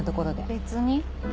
別に。